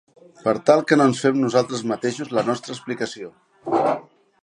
per tal que no ens fem nosaltres mateixos la nostra explicació.